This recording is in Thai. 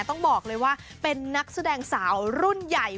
ต้องบอกเลยว่าเป็นนักแสดงสาวรุ่นใหญ่